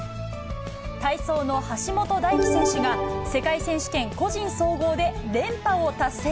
体操の橋本大輝選手が、世界選手権個人総合で連覇を達成。